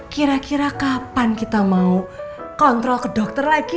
kira kira kapan kita mau kontrol ke dokter lagi